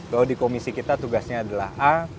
bahwa di komisi kita tugasnya adalah a